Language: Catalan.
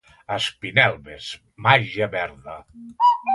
Espinelves, màgia verda.